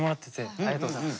ありがとうございます。